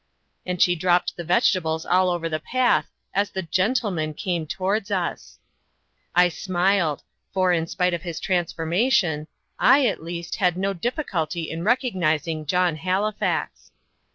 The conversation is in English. And she dropped the vegetables all over the path as the "gentleman" came towards us. I smiled for, in spite of his transformation, I, at least, had no difficulty in recognising John Halifax.